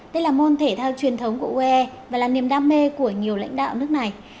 đây là môn thể thao truyền thống của ue và là niềm đam mê của nhiều lãnh đạo nước này